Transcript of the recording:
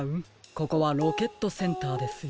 ここはロケットセンターですよ。